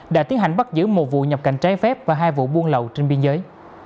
đã tiến hành bắt giữ một vụ nhập cảnh trái phép và hai vụ buôn lậu trên biên giới